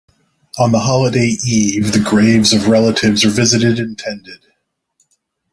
On the holiday eve the graves of relatives are visited and tended.